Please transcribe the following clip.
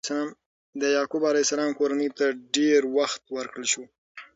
د یعقوب علیه السلام کورنۍ ته ډېر وخت ورکړل شو.